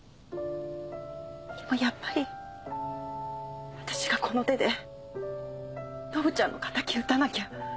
でもやっぱり私がこの手でのぶちゃんの敵討たなきゃ。